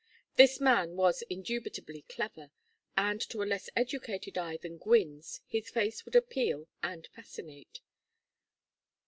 This man was indubitably clever, and to a less educated eye than Gwynne's his face would appeal and fascinate.